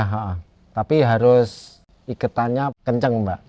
iya tapi harus ikatannya kencang mbak